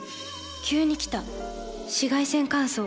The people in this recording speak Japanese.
急に来た紫外線乾燥。